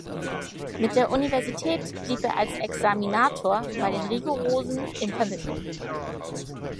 Mit der Universität blieb er als Examinator bei den Rigorosen in Verbindung.